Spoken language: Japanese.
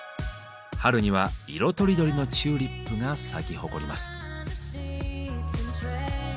春には色とりどりのチューリップが咲き誇ります。